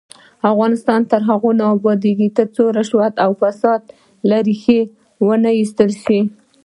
افغانستان تر هغو نه ابادیږي، ترڅو رشوت او فساد له ریښې ونه ایستل شي.